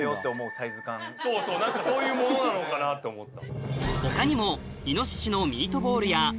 そうそう何かそういうものなのかなって思った。